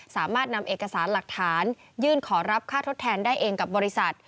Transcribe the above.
สามารถนำเอกสารหลักฐานยื่นขอรับค่าทดแทนได้เองกับบริษัท